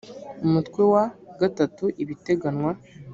umutwe wa iii ibiteganywa